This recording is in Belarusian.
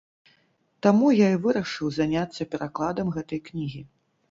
Таму я і вырашыў заняцца перакладам гэтай кнігі.